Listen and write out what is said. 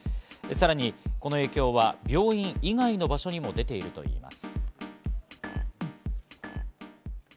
さらに、この影響は病院以外の場所にも出ているといいます。